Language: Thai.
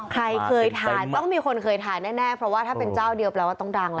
ใครเคยทานต้องเทาเป็นคนเคยทานแน่เพราะว่าถ้าเจ้าเดี่ยวจะต้องดังนะ